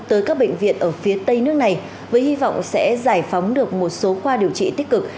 tới các bệnh viện ở phía tây nước này với hy vọng sẽ giải phóng được một số khoa điều trị tích cực